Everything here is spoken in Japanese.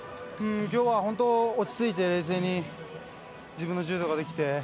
今日は落ち着いて冷静に自分の柔道ができて。